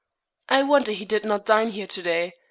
I wonder he did not dine here to day.